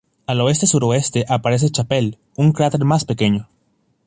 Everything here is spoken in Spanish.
Al oeste-suroeste aparece Chappell, un cráter más pequeño.